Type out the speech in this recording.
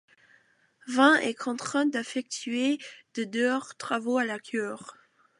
Van est contraint d’effectuer de durs travaux à la cure.